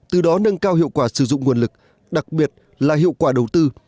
từ đó nâng cao hiệu quả sử dụng nguồn lực đặc biệt là hiệu quả đầu tư